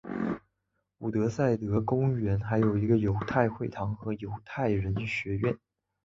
伍德塞德公园还有一个犹太会堂和一个犹太人学校。